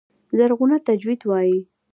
زرغونه تجوید وايي.